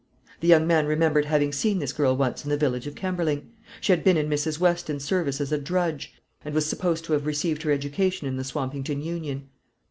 The young man remembered having seen this girl once in the village of Kemberling. She had been in Mrs. Weston's service as a drudge, and was supposed to have received her education in the Swampington union.